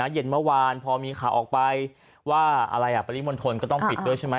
เย็นเมื่อวานพอมีขาออกไปว่าอะไรปฤมณฑ์มนตรก็ต้องปิดแล้วใช่ไหม